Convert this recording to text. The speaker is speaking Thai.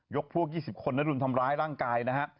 พวก๒๐คนและรุมทำร้ายร่างกายนะฮะ